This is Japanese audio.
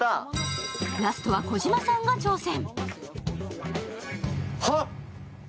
ラストは児嶋さんが挑戦。